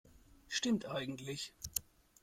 Stimmt eigentlich.